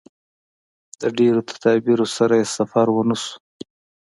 د ډېرو تدابیرو سره یې سفر ونشو.